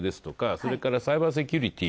それから、サイバーセキュリティー。